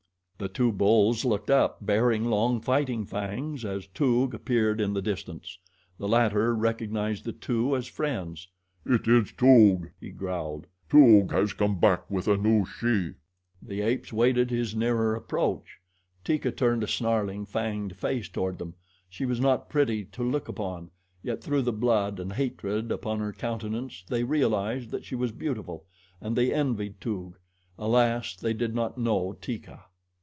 The two bulls looked up, baring long fighting fangs, as Toog appeared in the distance. The latter recognized the two as friends. "It is Toog," he growled. "Toog has come back with a new she." The apes waited his nearer approach. Teeka turned a snarling, fanged face toward them. She was not pretty to look upon, yet through the blood and hatred upon her countenance they realized that she was beautiful, and they envied Toog alas! they did not know Teeka.